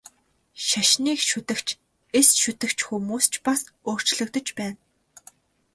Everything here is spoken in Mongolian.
Шашныг шүтэгч, эс шүтэгч хүмүүс ч бас өөрчлөгдөж байна.